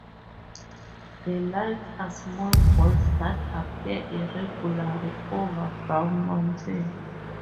The lights are small balls that appear irregularly over Brown Mountain.